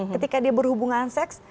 ketika dia berhubungan seks